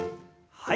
はい。